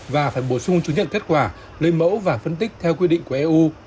và phải bổ sung chứng nhận kết quả lấy mẫu và phân tích theo quy định của eu